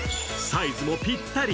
サイズもぴったり。